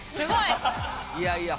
いやいや。